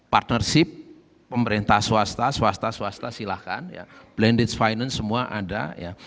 partnership pemerintah swasta swasta swasta silahkan blended finance semua ada